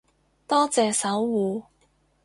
多謝守護